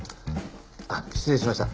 あっ失礼しました。